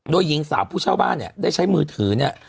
โดยหญิงสาวผู้เช่าบ้านเนี่ยได้ใช้มือถือเนี่ย